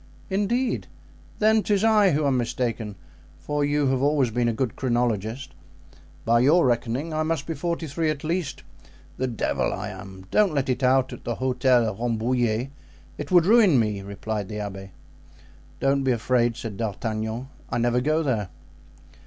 "Indeed! Then 'tis I who am mistaken, for you have always been a good chronologist. By your reckoning I must be forty three at least. The devil I am! Don't let it out at the Hotel Rambouillet; it would ruin me," replied the abbé. "Don't be afraid," said D'Artagnan. "I never go there."